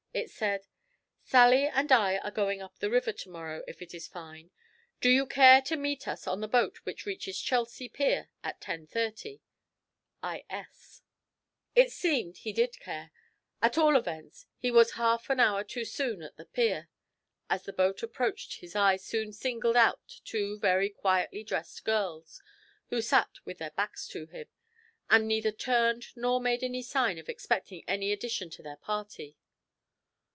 It said "Sally and I are going up the river to morrow, if it is fine. Do you care to meet us on the boat which reaches Chelsea Pier at 10.30? I. S." It seemed he did care; at all events he was half an hour too soon at the pier. As the boat approached his eye soon singled out two very quietly dressed girls, who sat with their backs to him, and neither turned nor made any sign of expecting any addition to their party.